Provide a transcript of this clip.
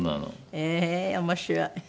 へえー面白い。